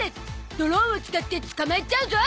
ドローンを使って捕まえちゃうゾ